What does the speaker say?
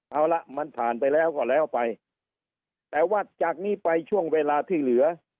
เอาละมันผ่านไปแล้วก็แล้วไปแต่ว่าจากนี้ไปช่วงเวลาที่เหลือ